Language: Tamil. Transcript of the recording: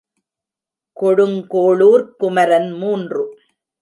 கொடுங்கோளுர்க் குமரன் மூன்று.